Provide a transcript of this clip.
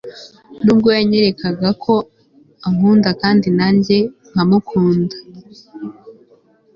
nubwo yanyerekaga ko ankunda kandi nanjye nkamukunda